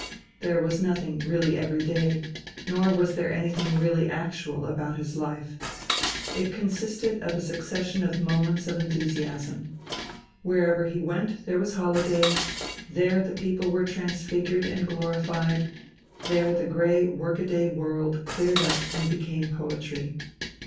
There was nothing really everyday, nor was there anything really actual, about his life; it consisted of a succession of moments of enthusiasm. Wherever he went there was holiday, there the people were transfigured and glorified, there the grey work a day world cleared up and became poetry.